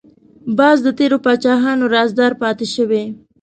باز د تیرو پاچاهانو رازدار پاتې شوی